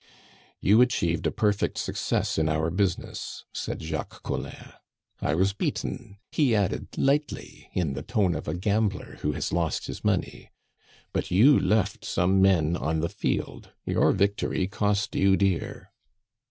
"You achieved a perfect success in our business," said Jacques Collin. "I was beaten," he added lightly, in the tone of a gambler who has lost his money, "but you left some men on the field your victory cost you dear."